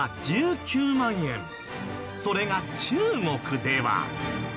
それが中国では。